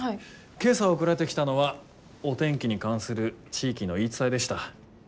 今朝送られてきたのはお天気に関する地域の言い伝えでした。